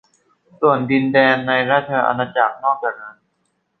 ส่วนดินแดนในราชอาณาจักรนอกจากนั้น